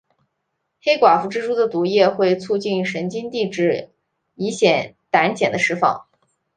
黑寡妇蜘蛛的毒液会促进神经递质乙酰胆碱的释放。